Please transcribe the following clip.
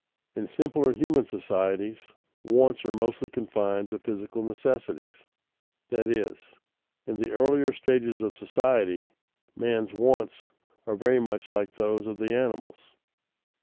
_In simpler human societies, wants are mostly confined to physical necessities; that is, in the earlier stages of society, man's wants are very much like those of the animals.